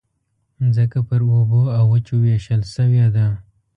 مځکه پر اوبو او وچو وېشل شوې ده.